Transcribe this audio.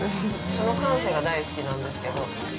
◆その感性が大好きなんですけど。